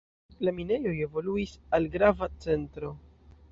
La minejoj evoluis al grava centro.